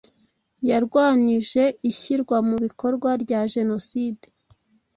Yarwanyije ishyirwa mu bikorwa rya Jenoside